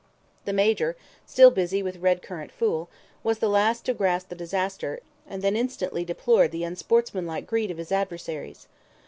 The Major, still busy with red currant fool, was the last to grasp the disaster, and then instantly deplored the unsportsmanlike greed of his adversaries.